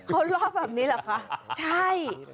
เข้ารอบแบบนี้แหละคะใช่